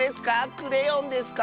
クレヨンですか？